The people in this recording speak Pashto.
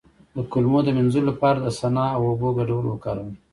د کولمو د مینځلو لپاره د سنا او اوبو ګډول وکاروئ